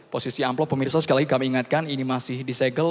posisi amplop pemirsa sekali lagi ingatkan ini masih disaykel